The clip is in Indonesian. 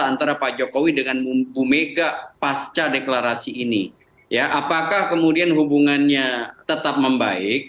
antara pak jokowi dengan bumbu mega pasca deklarasi ini ya apakah kemudian hubungannya tetap membaik